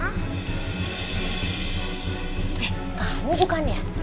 eh kamu bukaan ya